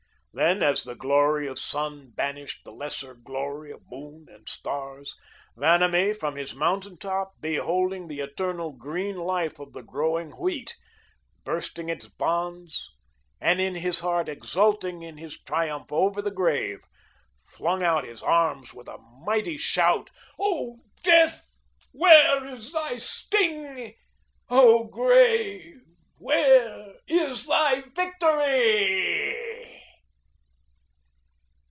Then, as the glory of sun banished the lesser glory of moon and stars, Vanamee, from his mountain top, beholding the eternal green life of the growing Wheat, bursting its bonds, and in his heart exulting in his triumph over the grave, flung out his arms with a mighty shout: "Oh, Death, where is thy sting? Oh, Grave, where is thy victory?"